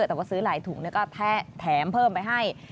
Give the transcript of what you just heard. แต่ว่าซื้อหลายถุงก็แถมเพิ่มไปให้